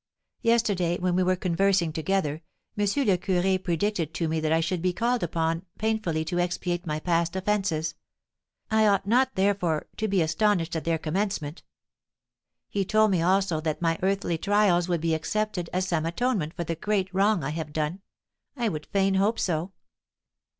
Yesterday, when we were conversing together, M. le Curé predicted to me that I should be called upon painfully to expiate my past offences; I ought not, therefore, to be astonished at their commencement. He told me also that my earthly trials would be accepted as some atonement for the great wrong I have done; I would fain hope so.